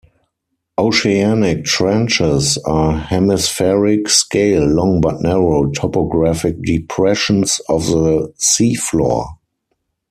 Oceanic trenches are hemispheric-scale long but narrow topographic depressions of the sea floor.